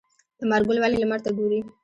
لمر ګل ولې لمر ته ګوري؟